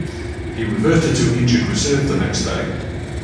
He reverted to injured reserve the next day.